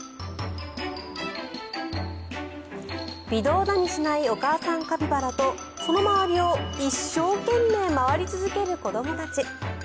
微動だにしないお母さんカピバラとその周りを一生懸命回り続ける子どもたち。